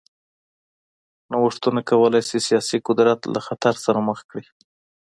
نوښتونه کولای شي سیاسي قدرت له خطر سره مخ کړي.